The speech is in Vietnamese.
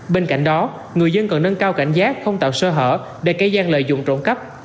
bên cạnh đó người dân cần nâng cao cảnh giác không tạo sơ hở để cây giang lợi dụng trộm cắp